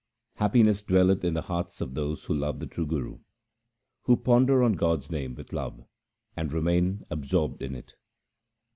Happiness dwelleth in the hearts of those who love the true Guru, Who ponder on God's name with love and remain ab sorbed in it.